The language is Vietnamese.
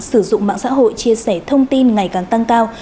sử dụng mạng xã hội chia sẻ thông tin ngày càng tăng cao